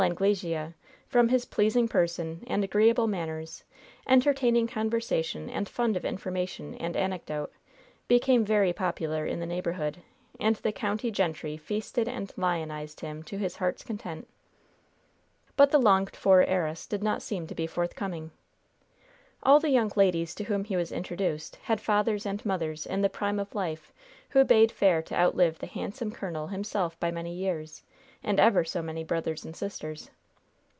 Anglesea, from his pleasing person and agreeable manners, entertaining conversation, and fund of information and anecdote, became very popular in the neighborhood, and the county gentry feasted and lionized him to his heart's content. But the longed for heiress did not seem to be forthcoming. All the young ladies to whom he was introduced had fathers and mothers in the prime of life who bade fair to outlive the handsome colonel himself by many years, and ever so many brothers and sisters.